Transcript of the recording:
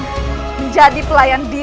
hukuman menjadi pelayan dinda